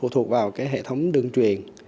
thuộc vào cái hệ thống đường truyền